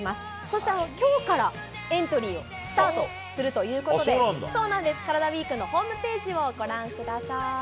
そして、きょうからエントリーをスタートするということで、カラダＷＥＥＫのホームページをご覧ください。